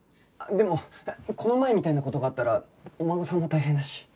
でもこの前みたいな事があったらお孫さんも大変だし。